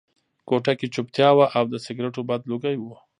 کوټه کې چوپتیا وه او د سګرټو بد لوګي وو